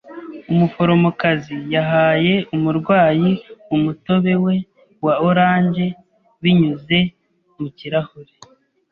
Umuforomokazi yahaye umurwayi umutobe we wa orange binyuze mu kirahure.